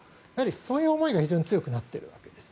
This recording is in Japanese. そういう思いが非常に強くなっているわけです。